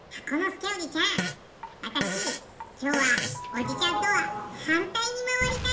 きょうはおじちゃんとははんたいにまわりたいんだけど！